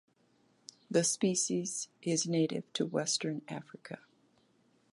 The species is native to western Africa.